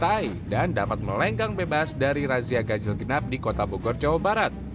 lantai dan dapat melenggang bebas dari razia ganjil genap di kota bogor jawa barat